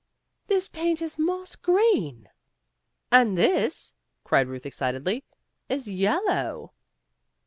"This paint is moss green." "And this," cried Euth excitedly, "is yellow.